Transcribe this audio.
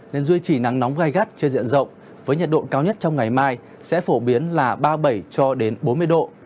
nên duy trì nắng nóng gai gắt trên diện rộng với nhiệt độ cao nhất trong ngày mai sẽ phổ biến là ba mươi bảy cho đến bốn mươi độ